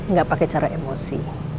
gak pakai cara emosi